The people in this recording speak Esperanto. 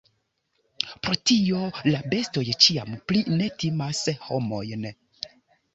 Pro tio la bestoj ĉiam pli ne timas homojn.